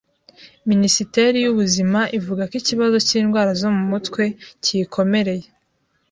Ministeri y’ubuzima ivuga ko ikibazo cy’indwara zo mu mutwe kiyikomereye